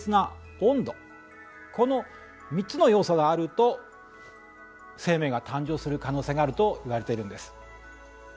この３つの要素があると生命が誕生する可能性があるといわれているんです。